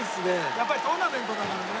やっぱりトーナメントだからね。